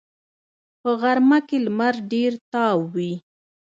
په غرمه کې لمر ډېر تاو وي